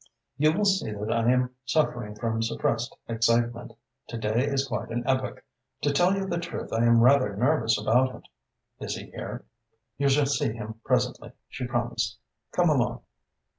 "You will see that I am suffering from suppressed excitement. To night is quite an epoch. To tell you the truth, I am rather nervous about it." "Is he here?" "You shall see him presently," she promised. "Come along."